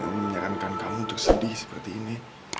ini menyarankan kamu untuk sedih seperti ini